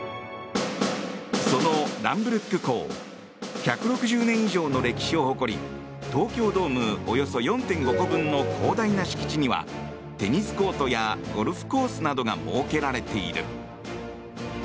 そのランブルック校１６０年以上の歴史を誇り東京ドームおよそ４．５個分の広大な敷地にはテニスコートやゴルフコースなどが設けられている。